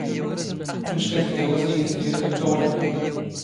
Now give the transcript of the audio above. ⵎⵏⵛⴽ ⴰⴷ ⵉⴳⴰ ⵡⴰⵜⵉⴳ ⵏ ⵜⵀⵉⵔⵉⵜ ⴰⴽⴽⵯ ⵉⵖⵍⴰⵏ.